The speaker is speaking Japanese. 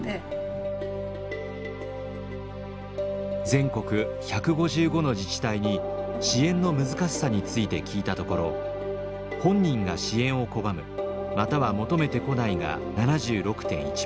全国１５５の自治体に支援の難しさについて聞いたところ「本人が支援を拒むまたは求めてこない」が７６．１％。